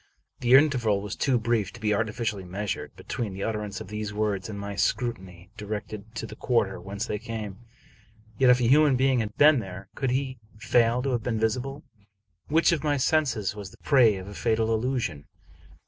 The interval was too brief to be artificially measured, be tween the utterance of these words and my scrutiny directed to the quarter whence they came. Yet, if a human being had been there, could he fail to have been visible? Which of my senses was the prey of a fatal illusion?